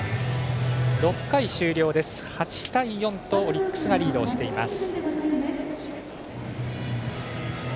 ６回終了、８対４とオリックスがリードしています。